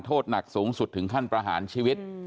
โทษหนักสูงสุดถึงขั้นประหารชีวิต